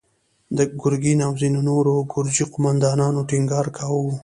ګرګين او ځينو نورو ګرجي قوماندانانو ټينګار کاوه.